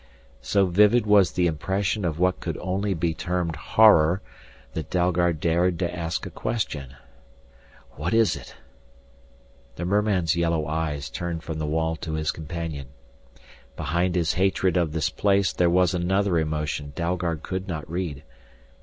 So vivid was the impression of what could only be termed horror that Dalgard dared to ask a question: "What is it?" The merman's yellow eyes turned from the wall to his companion. Behind his hatred of this place there was another emotion Dalgard could not read.